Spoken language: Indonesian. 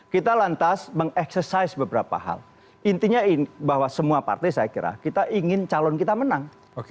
kita lantas mengeksersaiz beberapa hal intinya bahwa semua partai saya kira kita ingin calon kita menang